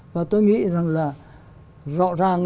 và tôi nghĩ rằng là rõ ràng